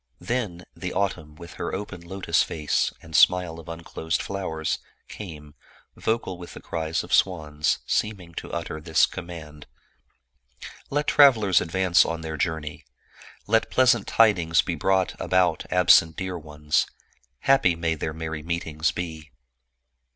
Then the autumn with her open lotus face, and smile of unclosed flowers, came, vocal with the cries of swans, seem ing to utter this command, " Let travelers advance on their journey; let pleasant tidings be brought about absent dear ones ; happy may their merry meetings be